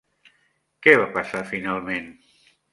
Què va passar finalment?